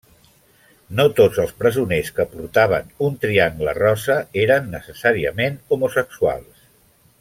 No tots els presoners que portaven un triangle rosa eren necessàriament homosexuals.